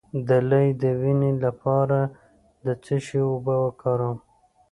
د لۍ د وینې لپاره د څه شي اوبه وکاروم؟